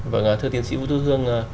vâng thưa tiến sĩ vũ thư hương